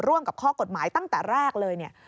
ร่วมกับข้อกฎหมายตั้งแต่แรกเลยเนี่ย